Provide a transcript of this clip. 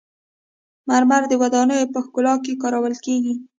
مرمر د ودانیو په ښکلا کې کارول کیږي.